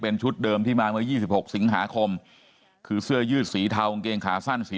ชุดเดิมที่มาเมื่อ๒๖สิงหาคมคือเสื้อยืดสีเทากางเกงขาสั้นสี